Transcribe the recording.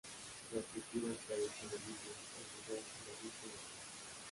La estructura está hecha de vidrio, hormigón, granito y acero.